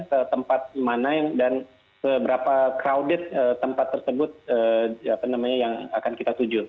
ke tempat mana dan seberapa crowded tempat tersebut yang akan kita tuju